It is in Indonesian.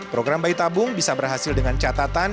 program bayi tabung bisa berhasil dengan catatan